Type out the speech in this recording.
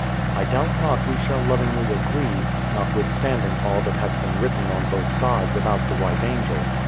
... I doubt not we shall lovingly agree, notwithstanding all that has been written on both sides about the White Angel.